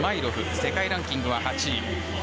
世界ランキング８位。